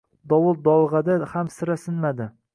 Dovul-dolg‘ada ham sira sinmadi